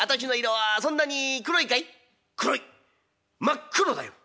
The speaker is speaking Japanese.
真っ黒だよ。